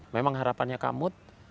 memang harapannya kak muth